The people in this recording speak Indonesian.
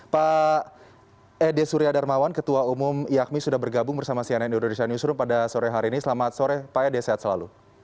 pak ede surya darmawan ketua umum iakmi sudah bergabung bersama cnn indonesia newsroom pada sore hari ini selamat sore pak ede sehat selalu